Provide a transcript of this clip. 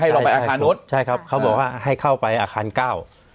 เราไปอาคารนู้นใช่ครับเขาบอกว่าให้เข้าไปอาคารเก้า